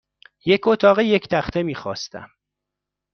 یک اتاق یک تخته میخواستم.